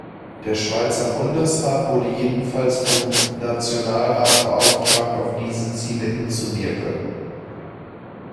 Der Schweizer Bundesrat wurde jedenfalls vom Nationalrat beauftragt, auf diese Ziele hinzuwirken.